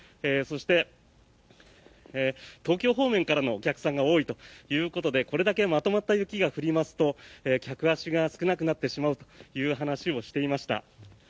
そして、東京方面からのお客さんが多いということでこれだけまとまった雪が降りますと客足が少なくなってしまうという話をしていました。